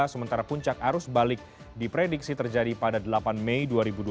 sementara puncak arus balik diprediksi terjadi pada delapan mei dua ribu dua puluh